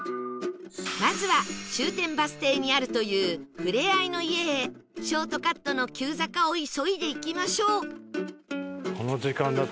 まずは終点バス停にあるというふれあいの館へショートカットの急坂を急いで行きましょう